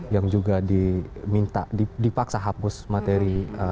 yang juga diminta dipaksa hapus materi